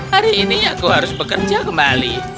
hari ini aku harus bekerja kembali